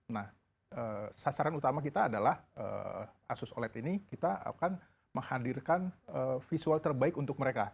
nah sasaran utama kita adalah asus oled ini kita akan menghadirkan visual terbaik untuk mereka